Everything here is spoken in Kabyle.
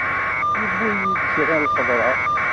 Yewwi-yi-d kra n lxeḍra.